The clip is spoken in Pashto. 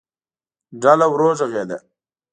ډله ورو غږېده.